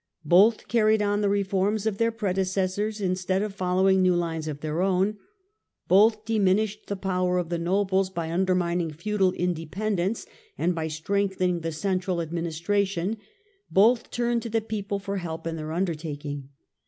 Both carried on the reforms of their predecessors instead of following new lines of their own ; both diminished the powder of the nobles, by undermining feudal independence and by strengthening the central administration ; both turned to the people for help in their undertaking.